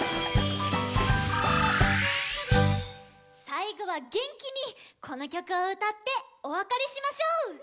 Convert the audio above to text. さいごはげんきにこのきょくをうたっておわかれしましょう！